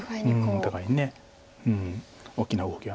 お互いに大きな動きはない。